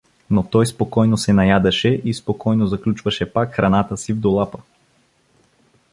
Но той спокойно се наядаше и спокойно заключваше пак храната си в долапа.